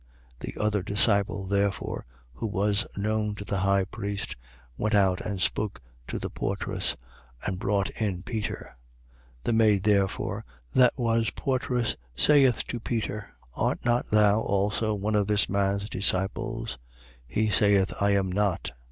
The other disciple therefore, who was known to the high priest, went out and spoke to the portress and brought in Peter. 18:17. The maid therefore that was portress saith to Peter: Art not thou also one of this man's disciple? He saith I am not.